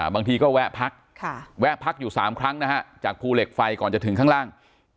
บางทีก็แวะพักแวะพักอยู่๓ครั้งนะฮะจากภูเหล็กไฟก่อนจะถึงข้างล่าง